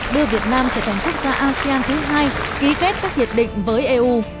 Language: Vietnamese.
đưa việt nam trở thành quốc gia asean thứ hai ký kết các hiệp định với eu